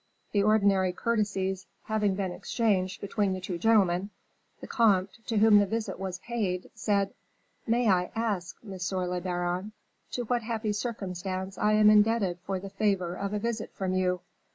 The ordinary courtesies having been exchanged between the two gentlemen, the comte, to whom the visit was paid, said, "May I ask, monsieur le baron, to what happy circumstance I am indebted for the favor of a visit from you?"